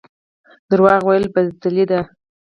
دروغ ویل بزدلي ده